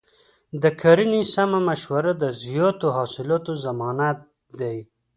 د کرنې سمه مشوره د زیاتو حاصلاتو ضمانت دی.